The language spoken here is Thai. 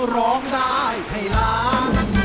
ร้องได้ให้ล้าน